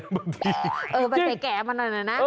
เออมันจะแกะมาหน่อยนะ